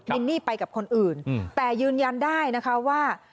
นินนี่ไปกับคนอื่นแต่ยืนยันได้นะคะว่า